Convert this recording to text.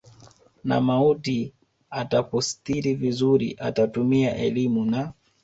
na mauti atakustiri vizuri atatumia elimu na